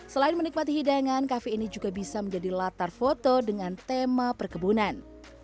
selain menikmati hidangan kafe ini juga bisa menjadi latar foto dengan tema perkebunan